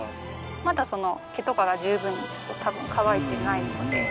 まだ毛とかが十分にたぶん乾いてないので。